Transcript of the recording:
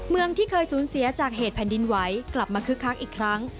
เมืองที่เคยสูญเสียจากเหตุแผ่นดินไหวกลับมาคึกคักอีกครั้ง